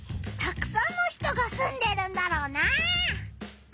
たくさんの人がすんでるんだろうな。